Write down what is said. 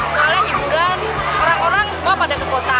soalnya hiburan orang orang semua pada ke kota